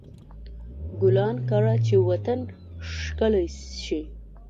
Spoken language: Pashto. ګلان کر، چې وطن ښکلی شي.